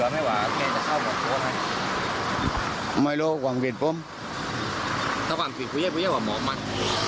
ไม่เหรอไสลภูตรแป้งเกลียดไปนั่น